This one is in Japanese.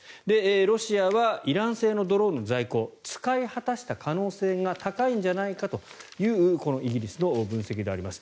ロシアはイラン製のドローンの在庫使い果たした可能性が高いんじゃないかというイギリスの分析であります。